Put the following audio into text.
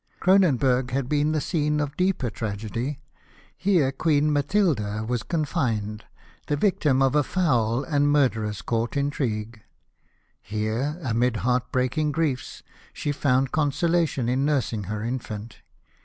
Cronenburg had been the scene of deeper tragedy. Here Queen Matilda was confined, the victim of a foul and murderous court intrigue. Here, amid heart breaking griefs, she foimd consolation in nursing her infant.